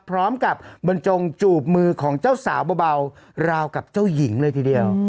พร้อมกับบรรจงจูบมือของเจ้าสาวเบาราวกับเจ้าหญิงเลยทีเดียว